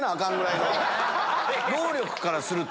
労力からすると。